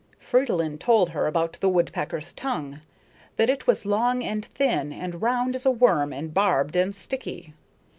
Fridolin told her about the woodpecker's tongue: that it was long and thin, and round as a worm, and barbed and sticky.